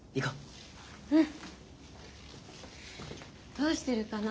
どうしてるかな？